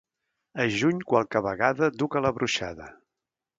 Es juny qualque vegada du calabruixada.